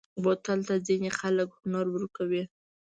بوتل ته ځینې خلک هنر ورکوي.